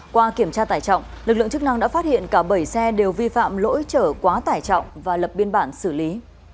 qua kiểm tra tải trọng lực lượng chức năng đã phát hiện cả bảy xe đều vi phạm lỗi chở quá tải trọng và lập biên bản xử lý